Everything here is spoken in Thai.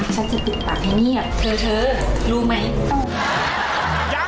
ฉันจะปิดปากให้เงียบ